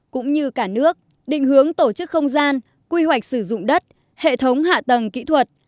cũng như cả nước định hướng tổ chức không gian quy hoạch sử dụng đất hệ thống hạ tầng kỹ thuật